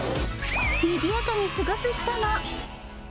にぎやかに過ごす人も。